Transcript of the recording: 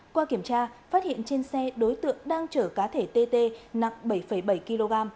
qua kiểm tra phát hiện trên xe đối tượng đang chở cá thể tt nặng bảy bảy kg